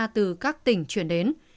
từ các tỉnh chuyển đến